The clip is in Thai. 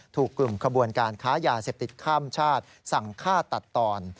ถูกกลุ่มขบวนการค้ายาเสพติดข้ามชาติสั่งฆ่าตัดตอน